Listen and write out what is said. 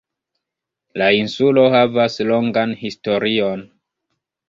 La insulo havas longan historion.